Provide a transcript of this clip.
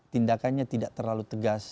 tindakannya tidak terlalu tegas